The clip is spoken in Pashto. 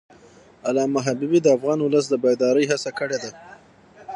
علامه حبیبي د افغان ولس د بیدارۍ هڅه کړې ده.